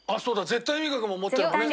絶対味覚も持ってるんだね。